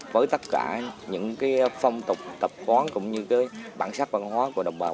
với tất cả những phong tục tập quán cũng như bản sắc văn hóa của đồng bào